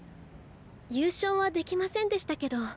優勝はできませんでしたけど。